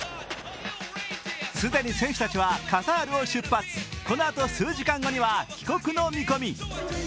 既に選手たちはカタールを出発、このあと数時間後には帰国の見込み。